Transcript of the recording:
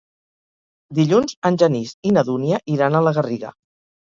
Dilluns en Genís i na Dúnia iran a la Garriga.